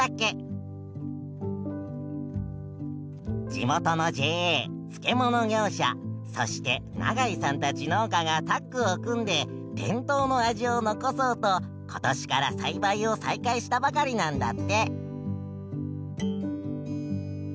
地元のＪＡ漬物業者そして永井さんたち農家がタッグを組んで伝統の味を残そうと今年から栽培を再開したばかりなんだって。